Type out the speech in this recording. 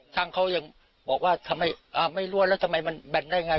ช่างเขายังบอกว่าไม่รู้ว่าแล้วทำไมมันแบนได้ไง